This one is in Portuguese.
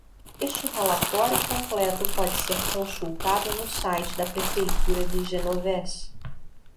Este relatório completo pode ser consultado no site da Prefeitura de Genovés.